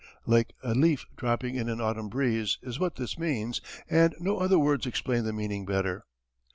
Like a leaf dropping in an autumn breeze is what this means, and no other words explain the meaning better.